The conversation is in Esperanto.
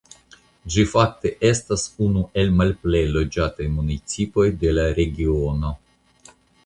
Ĝi fakte estas unu el malplej loĝataj municipoj de la regiono.